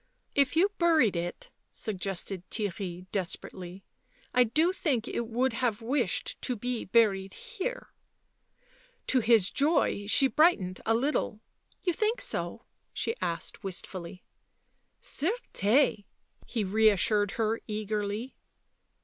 " If you buried it " suggested Theirry des perately. "I do think it would have wished to be buried here " To his joy she brightened a little. " You think so?" she asked wistfully. " Certes 1" he reassured her eagerly.